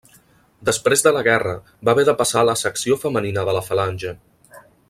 Després de la guerra va haver de passar a la Secció Femenina de la Falange.